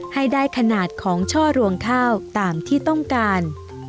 ให้ได้ขนาดของช่อรวงข้าวตามที่ต้องการ